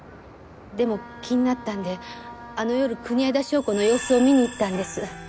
でも気になったんであの夜国枝祥子の様子を見に行ったんです。